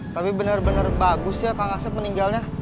tapi bener bener bagus yang kak asef meninggalnya